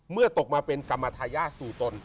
เมื่อตกมาเป็นกรรมทายาทสู่ตน